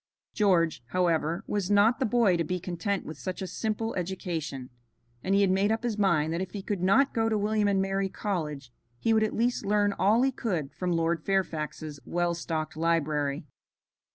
George, however, was not the boy to be content with such a simple education, and he had made up his mind that if he could not go to William and Mary College he would at least learn all he could from Lord Fairfax's well stocked library.